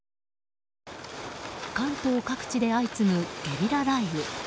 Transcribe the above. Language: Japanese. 関東各地で相次ぐゲリラ雷雨。